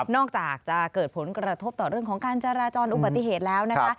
อกจากจะเกิดผลกระทบต่อเรื่องของการจราจรอุบัติเหตุแล้วนะคะ